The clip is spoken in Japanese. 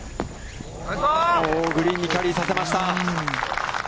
グリーンにキャリーさせました。